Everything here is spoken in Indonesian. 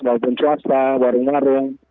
walaupun swasta warung warung